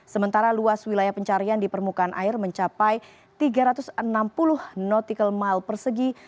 sementara luas wilayah pencarian di permukaan air mencapai tiga ratus enam puluh nautical mile persegi